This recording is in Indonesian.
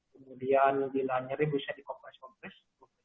kemudian bila nyari bisa di compress